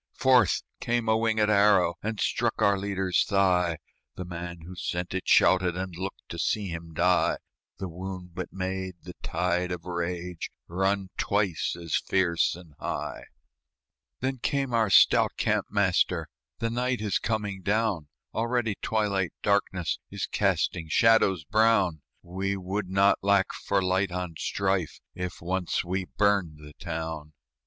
Forth came a wingèd arrow, And struck our leader's thigh; The man who sent it shouted, And looked to see him die; The wound but made the tide of rage Run twice as fierce and high. Then came our stout camp master, "The night is coming down; Already twilight darkness Is casting shadows brown; We would not lack for light on strife If once we burned the town."